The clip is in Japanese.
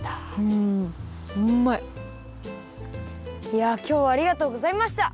いやきょうはありがとうございました！